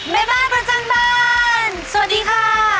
แม่บ้านประจำบ้านสวัสดีค่ะ